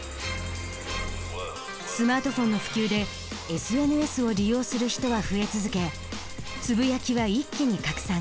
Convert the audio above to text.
スマートフォンの普及でＳＮＳを利用する人は増え続け「つぶやき」は一気に拡散。